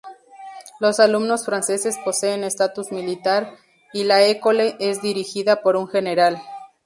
Los alumnos franceses poseen estatus militar, y la École es dirigida por un general.